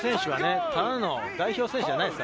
この選手はただの代表選手ではないです。